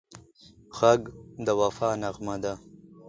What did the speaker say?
غږ د وفا نغمه ده